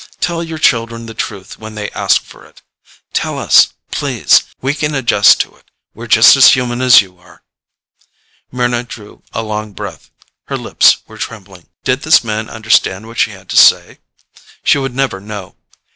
Tell your children the truth when they ask for it. Tell us, please. We can adjust to it. We're just as human as you are." Mryna drew a long breath. Her lips were trembling. Did this man understand what she had tried to say? She would never know.